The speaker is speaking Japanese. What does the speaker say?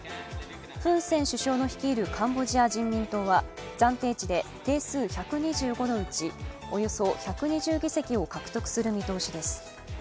フン・セン首相の率いるカンボジア人民党は暫定値で定数１２５のうちおよそ１２０議席を獲得する見通しです。